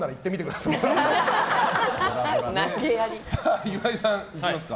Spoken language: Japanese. さあ岩井さん、いきますか。